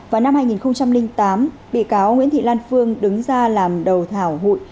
vào năm hai nghìn tám bị cáo nguyễn thị lan phương đứng ra làm đầu thảo hụi